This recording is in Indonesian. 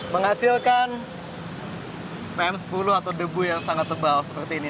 menghasilkan pm sepuluh atau debu yang sangat tebal seperti ini